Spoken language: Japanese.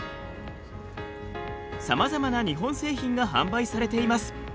さまざまな日本製品が販売されています。